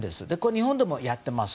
日本でもやってます。